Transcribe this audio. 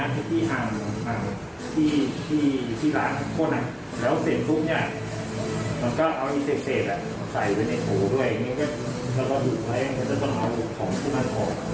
งั้นถ้าไม่ไปไม่บ้าน